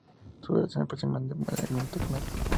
Su duración es de aproximadamente nueve minutos y medio.